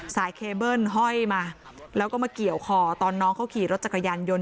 เคเบิ้ลห้อยมาแล้วก็มาเกี่ยวคอตอนน้องเขาขี่รถจักรยานยนต์